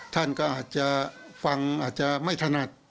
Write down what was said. ท่านก็อาจจะฟังอาจจะไม่ถนัด